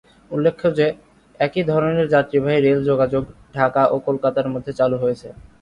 উল্ল্যেখ্য যে একই ধরনের যাত্রীবাহী রেল যোগাযোগ ঢাকা ও কলকাতার মধ্যে চালু হয়েছে।